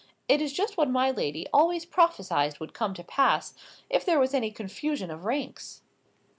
It is just what my lady always prophesied would come to pass, if there was any confusion of ranks."